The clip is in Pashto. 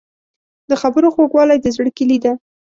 د خبرو خوږوالی د زړه کیلي ده.